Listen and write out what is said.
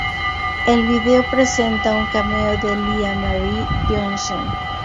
El video presenta un cameo de Lia Marie Johnson.